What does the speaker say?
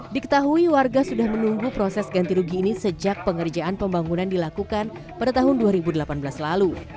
diketahui warga sudah menunggu proses ganti rugi ini sejak pengerjaan pembangunan dilakukan pada tahun dua ribu delapan belas lalu